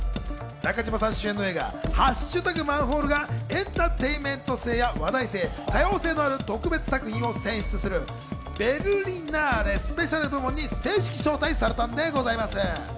中島さん主演の映画『＃マンホール』がエンターテインメント性や話題性、多様性のある特別作品を選出するベルリナーレ・スペシャル部門に正式招待されたんでございます。